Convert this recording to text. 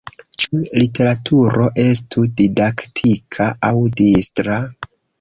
Ĉu literaturo estu didaktika aŭ distra?